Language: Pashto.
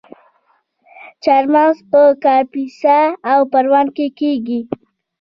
چهارمغز په کاپیسا او پروان کې کیږي.